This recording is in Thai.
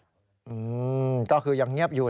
อืมก็คือยังเงียบอยู่